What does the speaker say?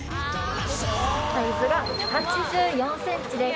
サイズが８４ｃｍです。